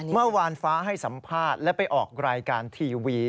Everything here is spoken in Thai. เมื่อวานฟ้าให้สัมภาษณ์และไปออกรายการทีวี